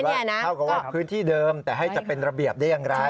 เท่ากับว่าพื้นที่เดิมแต่ให้จะเป็นระเบียบได้อย่างไร